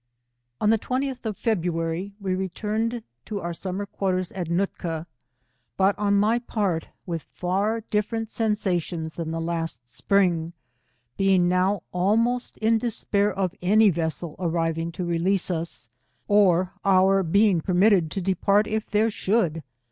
On the 20th of February, we returned to our gammer quarters at Nootka, but on my part, with far different sensations than the last spring, being now almost in despair of any vessel arriving to release us, or our being permitted to depart if there should.